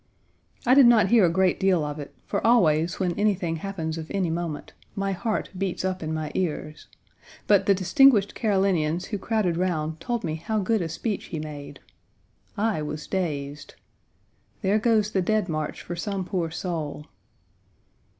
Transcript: I did not hear a great deal of it, for always, when anything happens of any moment, my heart beats up in my ears, but the distinguished Carolinians who crowded round told me how good a speech he made. I was dazed. There goes the Dead March for some poor soul.